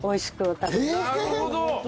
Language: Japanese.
なるほど！